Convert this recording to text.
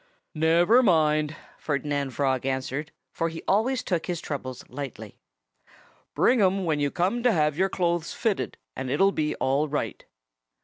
"Never mind!" Ferdinand Frog answered, for he always took his troubles lightly. "Bring 'em when you come to have your clothes fitted and it'll be all right."